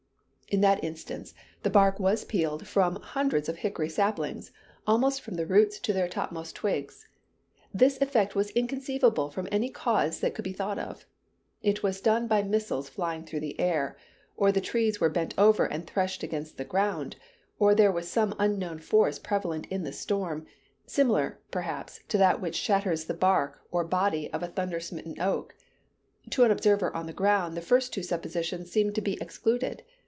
In that instance the bark was peeled from hundreds of hickory saplings, almost from the roots to their topmost twigs. This effect was inconceivable from any cause that could be thought of. It was done by missiles flying through the air, or the trees were bent over and threshed against the ground, or there was some unknown force prevalent in the storm, similar, perhaps, to that which shatters the bark or body of a thunder smitten oak. To an observer on the ground the first two suppositions seemed to be excluded.